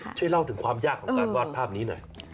ช่วยเล่าถึงความยากของการวาดภาพนี้หน่อย